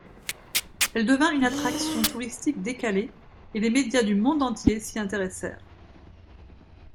Elle devint une attraction touristique décalée, et les médias du monde entier s’y intéressèrent.